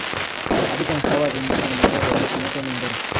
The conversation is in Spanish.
Habita en Java, Península de Malaca, Borneo, Sumatra y Mindoro.